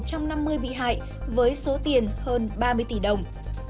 đối tượng chiếm đoạt của hơn một trăm năm mươi bị hại với số tiền hơn ba mươi tỷ đồng